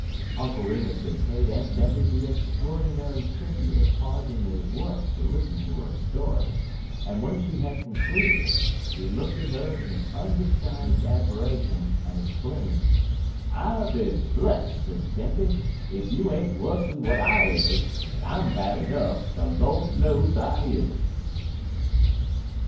Uncle Remus had paid Aunt Tempy the extraordinary tribute of pausing in his work to listen to her story, and when she had concluded it, he looked at her in undisguised admiration, and exclaimed: "I be bless, Sis Tempy, ef you ain't wuss'n w'at I is, en I'm bad 'nuff', de Lord knows I is!"